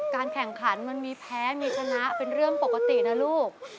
การแข่งขันมันมีแพ้มีชนะเป็นเรื่องปกตินะลูก